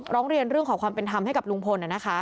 ร้องเรียนเรื่องขอความเป็นธรรมให้กับลุงพล